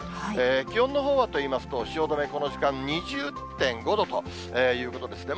気温のほうはといいますと、汐留、この時間、２０．５度ということですね。